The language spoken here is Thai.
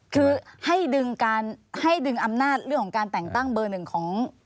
คือให้ดึงอำนาจการแต่งตั้งเบอร์หนึ่งของ